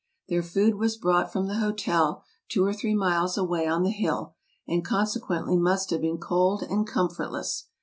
Their food was brought from the hotel, two or three miles 64 TRAVELERS AND EXPLORERS away, on the hill, and consequently must have been cold and comfortless.